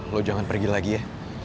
lo jangan pergi lagi ya